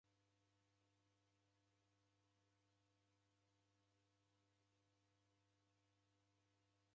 Itamwaa kwafwanafwana iyo homa yedekumeria putu